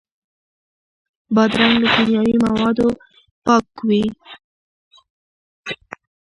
بادرنګ له کیمیاوي موادو پاک وي.